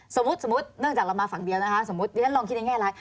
สมมุติเนื่องจากเรามาฝั่งเดียวนะคะสมมุติเรียนลองคิดในแง่ร้าย